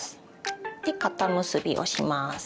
で固結びをします。